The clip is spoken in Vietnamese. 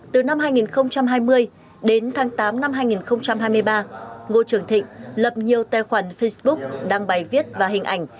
từ năm hai nghìn hai mươi đến tháng tám năm hai nghìn hai mươi ba ngô trường thịnh lập nhiều tài khoản facebook đăng bài viết và hình ảnh